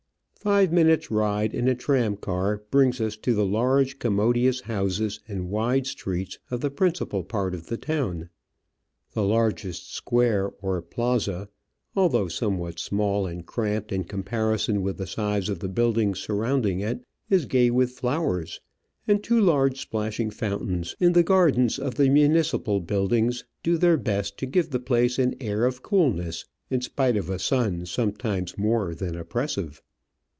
Five minutes ride in a tramcar brings us to the large commodious houses and wide streets of the principal part of the town. The largest square, ox plaza, although somewhat small and cramped in comparison with the size of the buildings surrounding it, is gay with flowers, and two large splashing fountains in the gardens of the municipal buildings do their best to give the place an air of Digitized by VjOOQIC 28 Travels and Adventures coolness in spite of a sun sometimes more than op pressive.